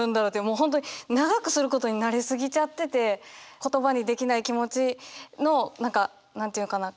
もう本当に長くすることに慣れ過ぎちゃってて言葉にできない気持ちの何か何て言うのかな？